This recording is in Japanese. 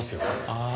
ああ